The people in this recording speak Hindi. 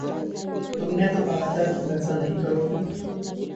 तुम ने तो कहा था तुम वैसा नहीं करोगी।